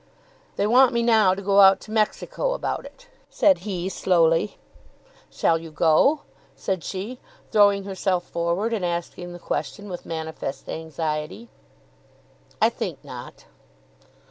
"They want me now to go out to Mexico about it," said he slowly. "Shall you go?" said she, throwing herself forward and asking the question with manifest anxiety. "I think not."